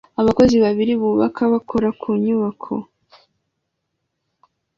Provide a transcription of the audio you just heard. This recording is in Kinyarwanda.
Abakozi babiri bubaka bakora ku nyubako